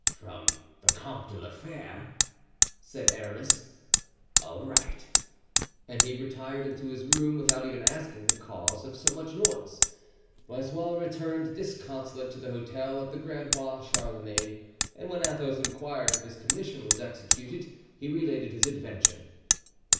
"From the Comte de la Fere," said Aramis. "All right." And he retired into his room without even asking the cause of so much noise. Blaisois returned disconsolate to the Hotel of the Grand Roi Charlemagne and when Athos inquired if his commission was executed, he related his adventure.